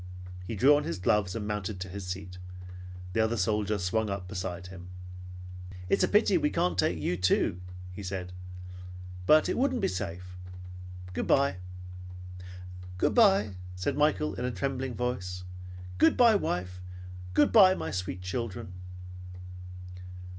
He drew on his gloves and mounted to his seat. The other soldier swung up beside him. "It's a pity we can't take you too," said he; "but it wouldn't be safe. Good bye." "Good bye," said Michael in a trembling voice. "Good bye, wife! Good bye, my sweet children!"